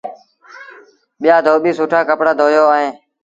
ٻيٚآ دوٻيٚ سُٺآ ڪپڙآ ڌويو ائيٚݩ۔